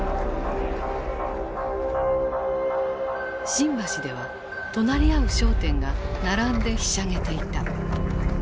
新橋では隣り合う商店が並んでひしゃげていた。